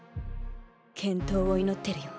健闘を祈ってるよ。